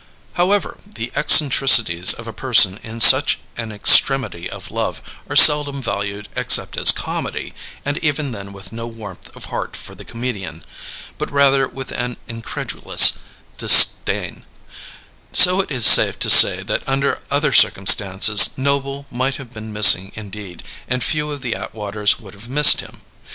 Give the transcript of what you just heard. However, the eccentricities of a person in such an extremity of love are seldom valued except as comedy, and even then with no warmth of heart for the comedian, but rather with an incredulous disdain; so it is safe to say that under other circumstances, Noble might have been missing, indeed, and few of the Atwaters would have missed him.